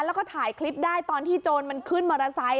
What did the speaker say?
แล้วก็ถ่ายคลิปได้ตอนที่โจรมันขึ้นมอเตอร์ไซค